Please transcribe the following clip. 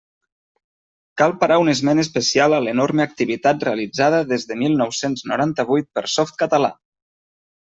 Cal parar un esment especial a l'enorme activitat realitzada des de mil nou-cents noranta-vuit per Softcatalà.